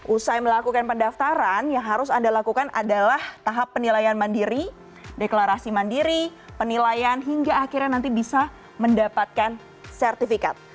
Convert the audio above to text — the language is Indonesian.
usai melakukan pendaftaran yang harus anda lakukan adalah tahap penilaian mandiri deklarasi mandiri penilaian hingga akhirnya nanti bisa mendapatkan sertifikat